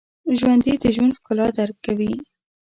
ژوندي د ژوند ښکلا درک کوي